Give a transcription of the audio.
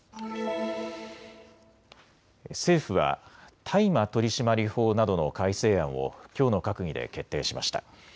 政府は大麻取締法などの改正案をきょうの閣議で決定しました。